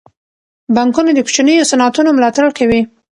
بانکونه د کوچنیو صنعتونو ملاتړ کوي.